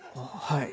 はい。